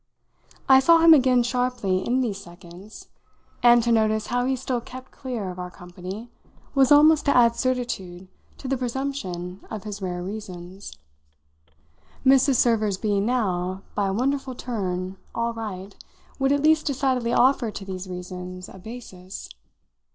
I saw him again sharply in these seconds, and to notice how he still kept clear of our company was almost to add certitude to the presumption of his rare reasons. Mrs. Server's being now, by a wonderful turn, all right would at least decidedly offer to these reasons a basis.